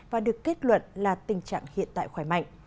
và được kết luận là tình trạng hiện tại khỏe mạnh